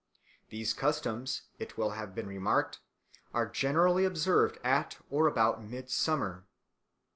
These customs, it will have been remarked, are generally observed at or about midsummer.